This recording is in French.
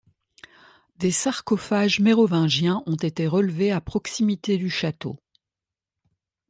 Des sarcophages mérovingiens ont été relevés à proximité du château.